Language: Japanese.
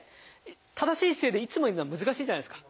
正しい姿勢でいつもいるのは難しいじゃないですか。